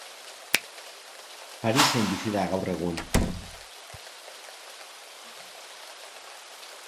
Parisen bizi da gaur egun.